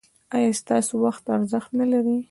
ایا ستاسو وخت ارزښت نلري؟